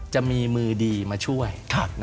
จะมีมือดีมาช่วย